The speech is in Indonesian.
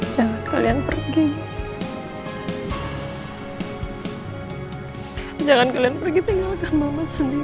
jangan tinggalkan aku jangan tinggalkan aku disini sendirian